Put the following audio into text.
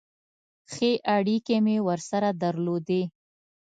ښې اړیکې مې ورسره درلودې.